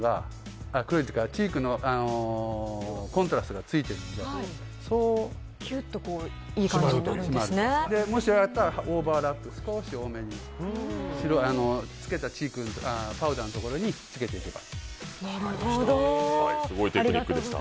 チークのコントラストがついているので、そうもしあれなら、オーバーラップ、少し多めにつけたパウダーのところにつけていけば。